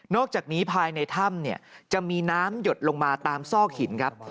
อกจากนี้ภายในถ้ำจะมีน้ำหยดลงมาตามซอกหินครับ